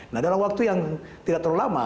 nah dalam waktu yang tidak terlalu lama